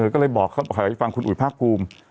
ก็เลยบอกใครครับว่าคุณคุณอุ๋ยพลากบุฏ